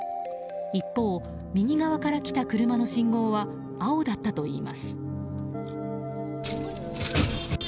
一方、右側から来た車の信号は青だったといいます。